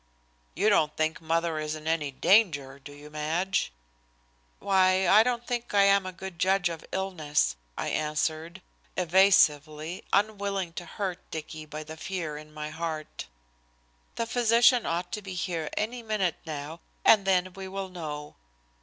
"You don't think mother is in any danger, do you, Madge?" "Why, I don't think I am a good judge of illness," I answered, evasively, unwilling to hurt Dicky by the fear in my heart. "The physician ought to be here any minute now, and then we will know."